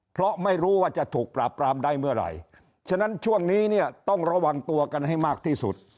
เพราะไม่รู้ว่าจะถูกปราบปรามได้เมื่อไหร่ฉะนั้นช่วงนี้เนี่ยต้องระวังตัวกันให้มากที่สุด